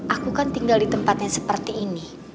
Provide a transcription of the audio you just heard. aku kan tinggal di tempat yang seperti ini